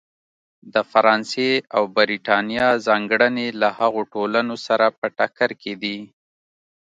د فرانسې او برېټانیا ځانګړنې له هغو ټولنو سره په ټکر کې دي.